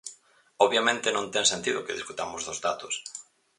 Obviamente, non ten sentido que discutamos dos datos.